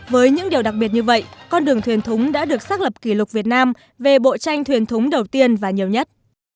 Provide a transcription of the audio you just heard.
với những điều đặc biệt như vậy con đường thuyền thúng đã được xác lập kỷ lục việt nam về bộ tranh thuyền thúng đầu tiên và nhiều nhất